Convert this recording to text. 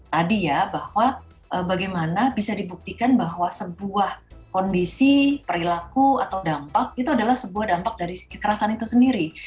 tadi ya bahwa bagaimana bisa dibuktikan bahwa sebuah kondisi perilaku atau dampak itu adalah sebuah dampak dari kekerasan itu sendiri